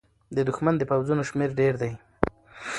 د دښمن د پوځونو شمېر ډېر دی.